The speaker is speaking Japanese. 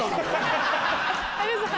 有吉さん